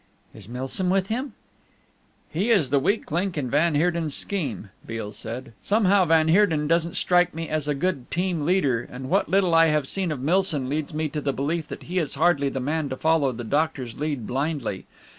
"Is Milsom with him?" "He is the weak link in van Heerden's scheme," Beale said. "Somehow van Heerden doesn't strike me as a good team leader, and what little I have seen of Milsom leads me to the belief that he is hardly the man to follow the doctor's lead blindly.